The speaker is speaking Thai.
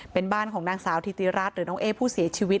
เป็นบ้านของนางสาวธิติรัฐหรือน้องเอ๊ผู้เสียชีวิต